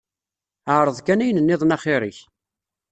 Ɛreḍ kan ayen nniḍen axir-ik.